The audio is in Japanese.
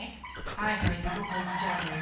はいはいでどこいっちゃうのよ。